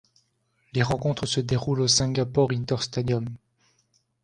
Les rencontres se déroulent au Singapore Indoor Stadium.